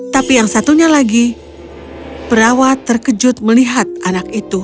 tapi yang satunya lagi perawat terkejut melihat anak itu